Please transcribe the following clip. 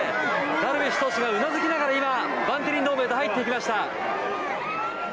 ダルビッシュ投手がうなずきながら今、バンテリンドームへと入っていきました。